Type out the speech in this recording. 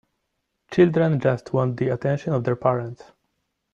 Children just want the attention of their parents.